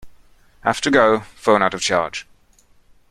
Have to go; phone out of charge.